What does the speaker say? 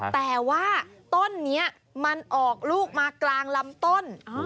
แต่ว่าต้นนี้มันออกลูกมากลางลำต้น